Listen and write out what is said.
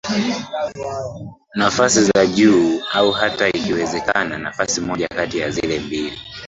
nafasi za juu au hata ikiwezekana nafasi moja kati ya zile mbili